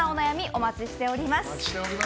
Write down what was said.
お待ちしております。